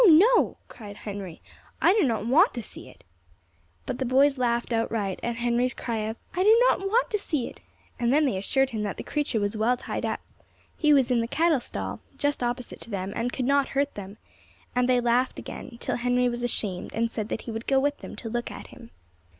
no!" cried Henry, "I do not want to see it." Both the boys laughed outright at Henry's cry of "I do not want to see it;" and then they assured him that the creature was well tied up he was in the cattle stall, just opposite to them, and could not hurt them; and they laughed again till Henry was ashamed, and said that he would go with them to look at him.